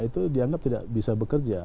itu dianggap tidak bisa bekerja